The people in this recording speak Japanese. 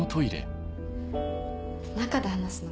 中で話すの？